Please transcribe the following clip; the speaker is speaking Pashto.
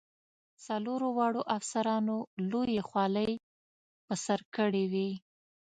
څلورو واړو افسرانو لویې خولۍ په سر کړې وې.